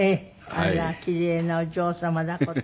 あらキレイなお嬢様だこと。